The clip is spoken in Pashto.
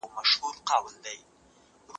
جهاد د ظالمانو د غرور ماتولو لار ده.